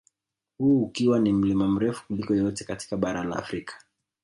Huu ukiwa ni mlima mrefu kuliko yote katika bara la Afrika